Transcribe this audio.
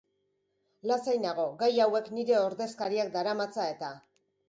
Lasai nago, gai hauek nire ordezkariak daramatza eta.